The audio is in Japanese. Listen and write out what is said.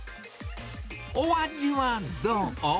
お味はどう？